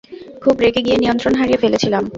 খুব রেগে গিয়ে নিয়ন্ত্রন হারিয়ে ফেলেছিলাম।